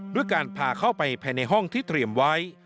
ด้วยการพาเข้าไปภายในห้องที่เตรียมไว้